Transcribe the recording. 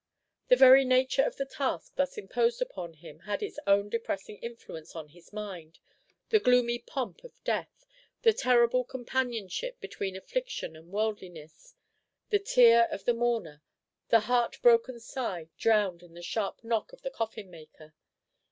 The very nature of the task thus imposed upon him had its own depressing influence on his mind; the gloomy pomp of death the terrible companionship between affliction and worldliness the tear of the mourner the heart broken sigh drowned in the sharp knock of the coffin maker.